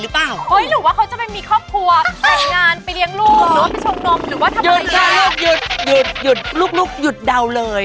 หยุดค่ะลูกหยุดหยุดลูกหยุดเดาเลย